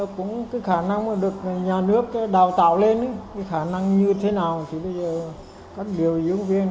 cũng cái khả năng mà được nhà nước đào tạo lên cái khả năng như thế nào thì bây giờ các điều dưỡng viên